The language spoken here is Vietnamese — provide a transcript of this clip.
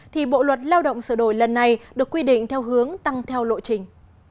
thì bộ luật lao động sửa đổi lần này được quy định theo hướng tăng theo lộ trình